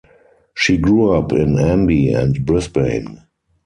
She grew up in Amby and Brisbane.